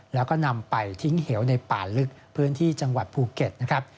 แล้วก็นำไปทิ้งเหวในป่าลึกพื้นที่จังหวัดภูเก็ตนะครับ